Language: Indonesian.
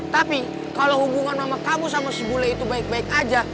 tapi kalau hubungan sama kamu sama si bule itu baik baik aja